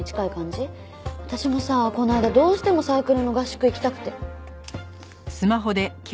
私もさこの間どうしてもサークルの合宿行きたくて。